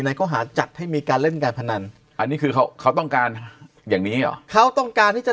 ข้อหาจัดให้มีการเล่นการพนันอันนี้คือเขาเขาต้องการอย่างนี้หรอเขาต้องการที่จะ